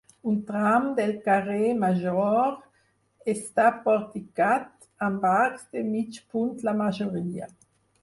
Un tram del carrer Major està porticat, amb arcs de mig punt la majoria.